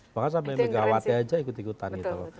bahkan sampai megawati aja ikut ikutan